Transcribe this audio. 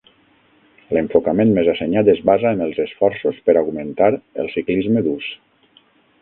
L'enfocament més assenyat es basa en els esforços per augmentar el ciclisme d'ús.